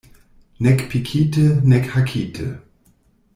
Nek pikite, nek hakite.